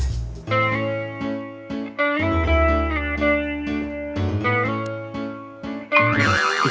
itu cowok di depan dia